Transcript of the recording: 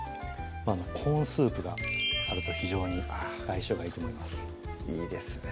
コーンスープがあると非常に相性がいいと思いますいいですね